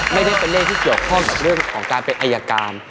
ไม่ได้เป็นเรื่องที่เกี่ยวข้องกับเรื่องของการเป็นอายการ